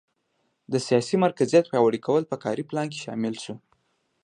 سیاسي مرکزیت پیاوړي کول په کاري پلان کې شامل شو.